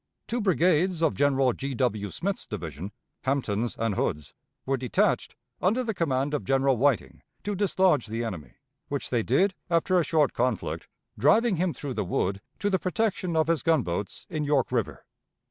Two brigades of General G. W. Smith's division, Hampton's and Hood's, were detached under the command of General Whiting to dislodge the enemy, which they did after a short conflict, driving him through the wood to the protection of his gunboats in York River.